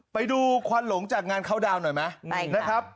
ไปดูควันหลงจากงานเข้าดาวนหน่อยไหมนะครับ